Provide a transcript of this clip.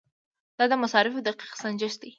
دا د مصارفو دقیق سنجش دی.